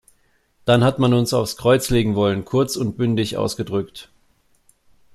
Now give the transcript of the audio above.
Dann hat man uns aufs Kreuz legen wollen, kurz und bündig ausgedrückt.